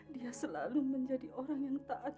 dia selalu menjadi orang yang taat